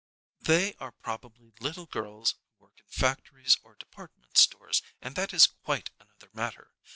"They are probably little girls who work in factories or department stores, and that is quite another matter.